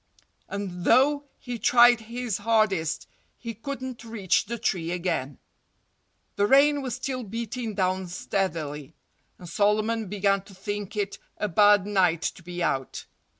And though he tried his hardest, he couldn't reach the tree again. The rain was still beating down steadily. And Solomon began to think it a bad night to be out.